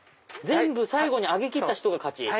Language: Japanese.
全部最後に上げきった人が勝ち。